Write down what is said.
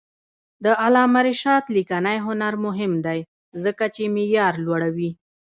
د علامه رشاد لیکنی هنر مهم دی ځکه چې معیار لوړوي.